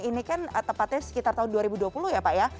ini kan tepatnya sekitar tahun dua ribu dua puluh ya pak ya